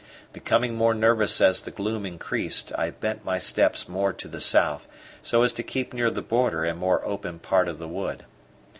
Becoming more nervous as the gloom increased, I bent my steps more to the south, so as to keep near the border and more open part of the wood.